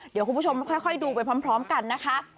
เดี๋ยวคุณผู้ชมค่อยดูไปพร้อมกันนะคะ